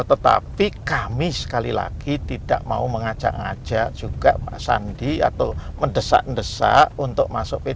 tetapi kami sekali lagi tidak mau mengajak ajak juga pak sandi atau mendesak mendesak untuk masuk p tiga